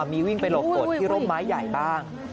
มีวิ่งไปหลบฝนที่ร่มไม้ใหญ่บ้าง